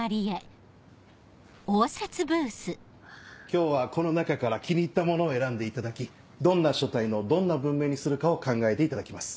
今日はこの中から気に入ったものを選んでいただきどんな書体のどんな文面にするかを考えていただきます。